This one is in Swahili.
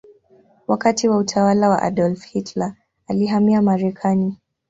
Wakati wa utawala wa Adolf Hitler alihamia Marekani.